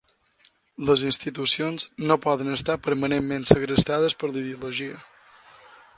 Les institucions no poden estar permanentment segrestades per la ideologia